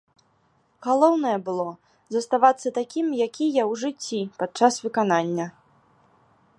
Галоўнае было заставацца такім, які я ў жыцці, падчас выканання.